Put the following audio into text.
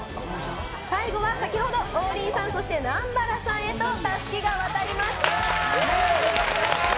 最後は、先ほど、王林さん、そして南原さんへとたすきが渡りました。